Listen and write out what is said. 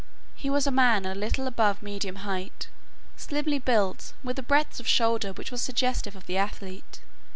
He was a man a little above medium height, slimly built, with a breadth of shoulder which was suggestive of the athlete.